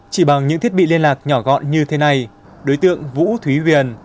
chỉ bằng những thiết bị liên lạc nhỏ gọn như thế này đối tượng vũ thúy viền